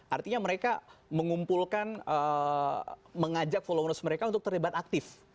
artinya mereka mengumpulkan mengajak followers mereka untuk terlibat aktif